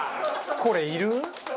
これいる？